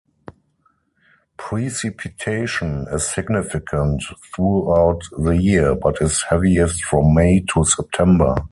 Precipitation is significant throughout the year, but is heaviest from May to September.